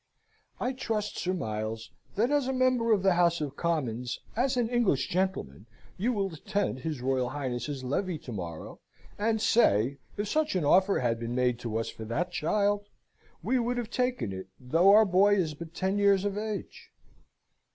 "I trust, Sir Miles, that, as a member of the House of Commons, as an English gentleman, you will attend his Royal Highness's levee to morrow, and say, if such an offer had been made to us for that child, we would have taken it, though our boy is but ten years of age."